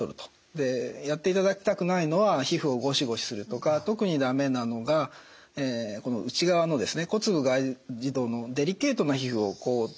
やっていただきたくないのは皮膚をゴシゴシするとか特にだめなのがこの内側の骨部外耳道のデリケートな皮膚をこすると。